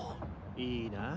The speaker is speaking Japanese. いいなぁ。